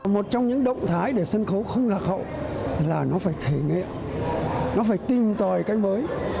một trong những động thái để sân khấu không lạc hậu là nó phải thể nghiệm nó phải tìm tòi cái mới